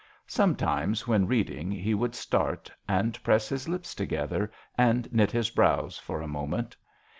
Sometimes when reading he would start and press his lips together and knit his brows for a moment.